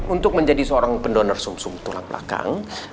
untuk menjadi seorang pendonor sum sum tulang belakang